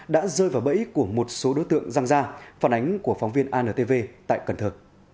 đã rơi vào bẫy của một số đối tượng răng ra phản ánh của phóng viên antv tại cần thơ